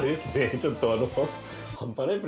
ちょっとあの